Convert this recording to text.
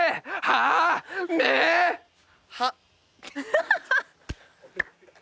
ハハハ！